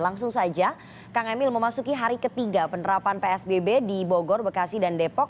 langsung saja kang emil memasuki hari ketiga penerapan psbb di bogor bekasi dan depok